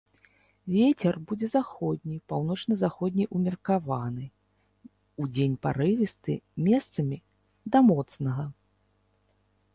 Вецер будзе заходні, паўночна-заходні ўмеркаваны, удзень парывісты, месцамі да моцнага.